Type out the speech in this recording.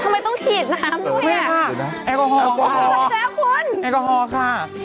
ทำไมต้องฉีดน้ำด้วยอ่ะไม่ค่ะแอลกอฮอล์แอลกอฮอล์เอาไปแล้วคุณแอลกอฮอล์ค่ะ